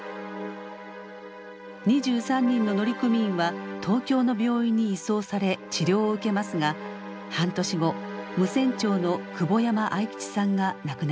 ２３人の乗組員は東京の病院に移送され治療を受けますが半年後無線長の久保山愛吉さんが亡くなります。